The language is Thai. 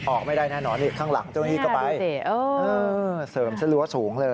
ออกไม่ได้แน่นอนข้างหลังตรงนี้ก็ไปเสริมเส้นรั้วสูงเลย